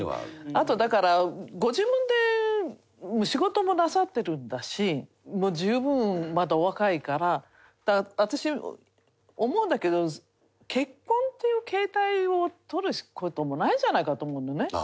あとだからご自分で仕事もなさってるんだし十分まだお若いから私思うんだけど結婚という形態を取る事もないんじゃないかと思うのね。